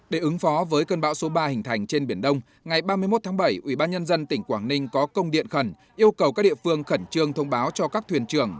để ứng phó với cơn bão số ba hình thành trên biển đông ngày ba mươi một tháng bảy ubnd tỉnh quảng ninh có công điện khẩn yêu cầu các địa phương khẩn trương thông báo cho các thuyền trưởng